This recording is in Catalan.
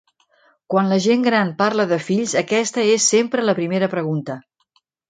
Quan la gent gran parla de fills aquesta és sempre la primera pregunta.